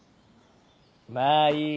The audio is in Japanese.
まぁいい。